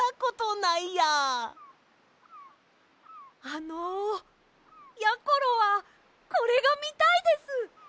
あのやころはこれがみたいです！